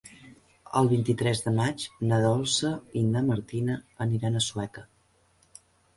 El vint-i-tres de maig na Dolça i na Martina aniran a Sueca.